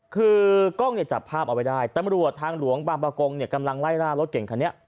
คือกล้องเนี่ยจับภาพเอาไว้ได้ตำรวจทางหลวงบางประกงเนี่ยกำลังไล่ล่ารถเก่งคันนี้